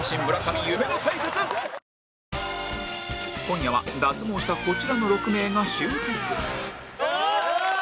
今夜は脱毛したこちらの６名が集結